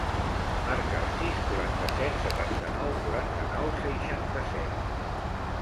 Marca el sis, quaranta-set, setanta-nou, quaranta-nou, seixanta-set.